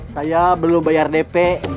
saya belum bayar dp